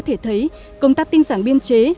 thể thấy công tác tinh giản biên chế